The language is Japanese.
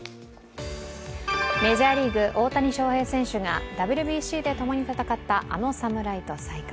メジャーリーグ、大谷翔平選手がＷＢＣでともに戦った、あの侍と再会。